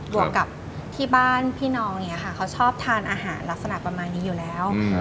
วกกับที่บ้านพี่น้องเนี่ยค่ะเขาชอบทานอาหารลักษณะประมาณนี้อยู่แล้ว